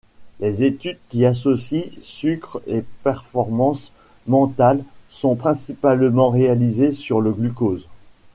Les études qui associent sucre et performance mentale sont principalement réalisées sur le glucose.